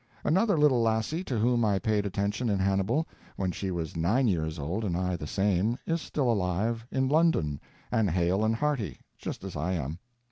Another little lassie to whom I paid attention in Hannibal when she was nine years old and I the same, is still alive—in London—and hale and hearty, just as I am.